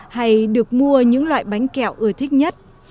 hay được mua những loại bánh kẹo ưa thích nhất